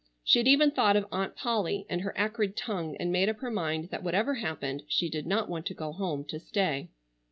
She had even thought of Aunt Polly and her acrid tongue and made up her mind that whatever happened she did not want to go home to stay.